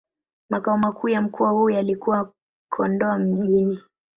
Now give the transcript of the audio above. Makao makuu ya mkoa huo yalikuwa Kondoa Mjini.